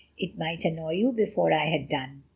It might annoy you before I had done.